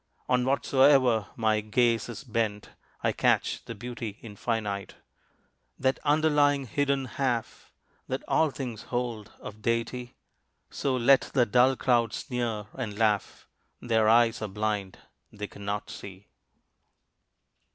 On whatsoe'er my gaze is bent I catch the beauty Infinite; That underlying, hidden half That all things hold of Deity. So let the dull crowd sneer and laugh Their eyes are blind, they cannot see.